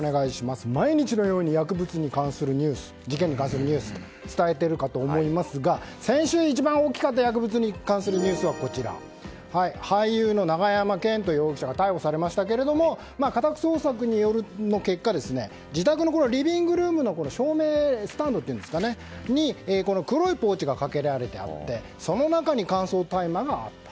毎日のように薬物事件に関するニュースを伝えているかと思いますが先週で一番大きかった薬物に関するニュースは俳優の永山絢斗容疑者が逮捕されましたけども家宅捜索の結果自宅のリビングルームの照明スタンドに、黒いポーチがかけられてあってその中に乾燥大麻があった。